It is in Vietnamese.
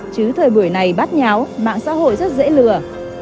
chứ thời buổi này bát nháo mạng xã hội rất dễ lừa